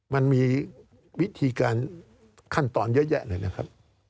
มันมีวิธีการขั้นตอนเยอะแยะเลยนะครับ